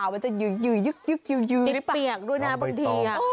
มันจะอยู่ยึกเปียกด้วยนะบางที